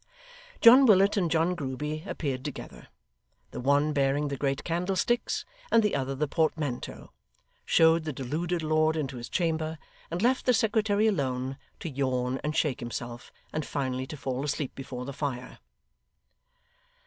John Willet and John Grueby appeared together. The one bearing the great candlesticks, and the other the portmanteau, showed the deluded lord into his chamber; and left the secretary alone, to yawn and shake himself, and finally to fall asleep before the fire.